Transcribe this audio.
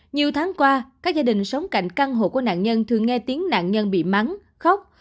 nhiều tháng qua các gia đình sống cạnh căn hộ của nạn nhân thường nghe tiếng nạn nhân bị mắng khóc